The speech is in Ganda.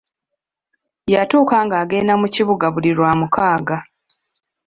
Yatuuka ng'agenda mu kibuga buli lwamukaaga.